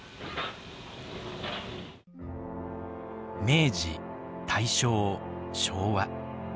明治大正昭和。